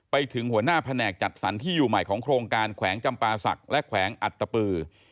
ไปถึงหัวหน้าแผนกจัดสรรที่อยู่ใหม่ของโครงการแขวงจำปาศักดิ์และแขวงอัตตปือ